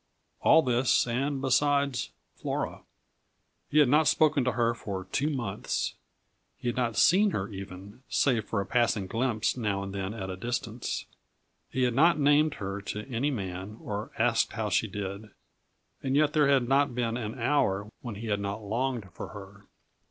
All this and besides, Flora. He had not spoken to her for two months. He had not seen her even, save for a passing glimpse now and then at a distance. He had not named her to any man, or asked how she did and yet there had not been an hour when he had not longed for her.